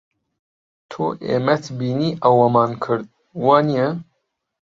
تۆ ئێمەت بینی ئەوەمان کرد، وانییە؟